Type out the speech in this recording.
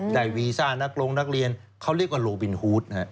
วีซ่านักลงนักเรียนเขาเรียกว่าโลบินฮูด